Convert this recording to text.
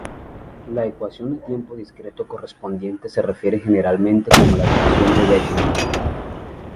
La ecuación a tiempo discreto correspondiente se refiere generalmente como la ecuación de Bellman.